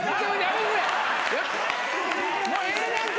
もうええねんて！